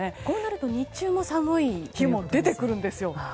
こうなると日中も寒い日が出てくるんですね。